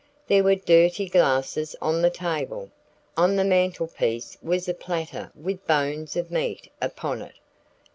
There were dirty glasses on the table. On the mantel piece was a platter with bones of meat upon it.